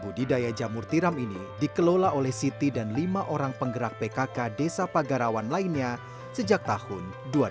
budidaya jamur tiram ini dikelola oleh siti dan lima orang penggerak pkk desa pagarawan lainnya sejak tahun dua ribu